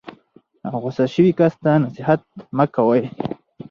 غسه شوي کس ته نصیحت مه کوئ.